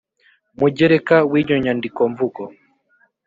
mugereka w iyo nyandikomvugo